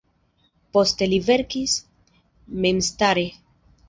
Poste li verkis memstare.